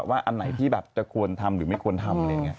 ว่าอันไหนที่แบบจะควรทำหรือไม่ควรทำ